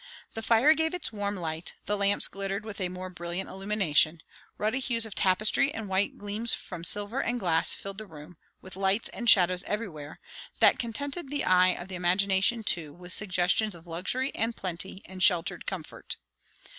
The fire gave its warm light, the lamps glittered with a more brilliant illumination; ruddy hues of tapestry and white gleams from silver and glass filled the room, with lights and shadows everywhere, that contented the eye and the imagination too, with suggestions of luxury and plenty and sheltered comfort.